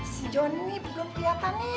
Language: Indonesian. si jonny belum keliatan nih